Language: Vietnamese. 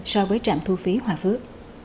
so với trạm thu phí hòa phước